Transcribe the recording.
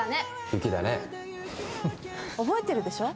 フッ」「覚えてるでしょ。